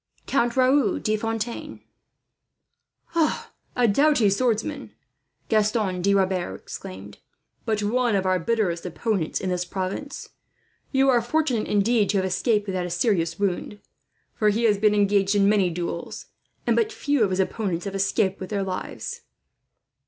"Count Raoul de Fontaine." "A doughty swordsman!" Gaston de Rebers exclaimed; "but one of our bitterest opponents in this province. You are fortunate, indeed, to have escaped without a serious wound; for he has been engaged in many duels, and but few of his opponents have escaped with their lives."